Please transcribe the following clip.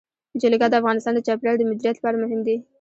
جلګه د افغانستان د چاپیریال د مدیریت لپاره مهم دي.